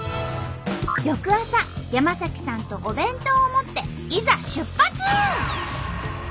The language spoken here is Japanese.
翌朝山さんとお弁当を持っていざ出発！